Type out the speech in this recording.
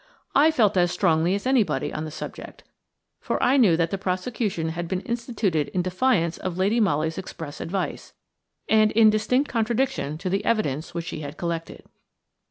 I felt as strongly as anybody on the subject, for I knew that the prosecution had been instituted in defiance of Lady Molly's express advice, and in distinct contradiction to the evidence which she had collected.